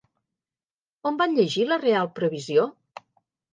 On van llegir la reial provisió?